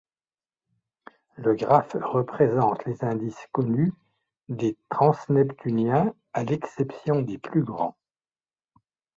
Le graphe représente les indices connus des transneptuniens à l’exception des plus grands.